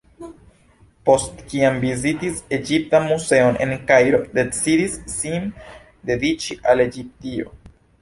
Post kiam vizitis Egiptan muzeon en Kairo decidis sin dediĉi al Egiptio.